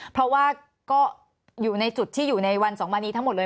เพราะว่าก็อยู่ในจุดที่อยู่ในวันสองวันนี้ทั้งหมดเลย